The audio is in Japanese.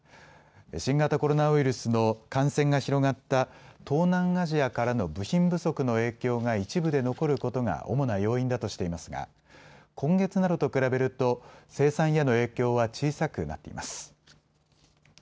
新型コロナウイルスの感染が広がった東南アジアからの部品不足の影響が一部で残ることが主な要因だとしていますが今月などと比べると生産への影響は小さくなっています。